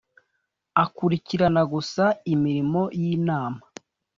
akurikirana gusa imirimo y ‘inama .